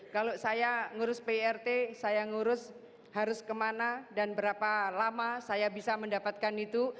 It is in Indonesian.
kalau saya ngurus pirt saya ngurus harus kemana dan berapa lama saya bisa mendapatkan itu